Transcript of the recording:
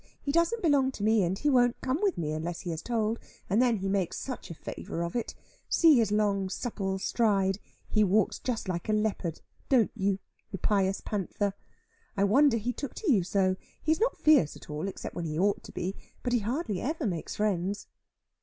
He doesn't belong to me, and he won't come with me unless he is told, and then he makes such a favour of it. See his long supple stride. He walks just like a leopard don't you, you pious panther? I wonder he took to you so. He is not fierce at all, except when he ought to be; but he hardly ever makes friends."